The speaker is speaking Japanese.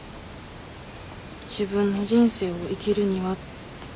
自分の人生を生きるにはってとこ。